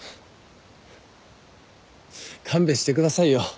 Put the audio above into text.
勘弁してくださいよ。